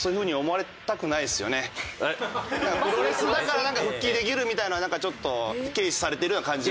プロレスだから復帰できるみたいなのはなんかちょっと軽視されてるような感じは。